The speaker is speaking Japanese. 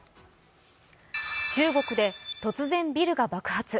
中国で突然ビルが爆発。